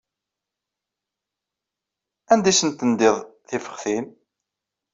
Anda ay asent-tendiḍ tifextin?